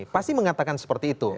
pasti mengatakan seperti itu